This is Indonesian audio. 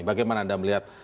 bagaimana anda melihat